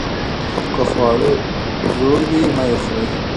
که خواړه زوړ وي مه یې خورئ.